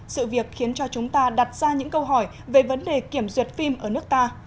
sự việc khiến cho chúng ta đặt ra những câu hỏi về vấn đề kiểm duyệt phim ở nước ta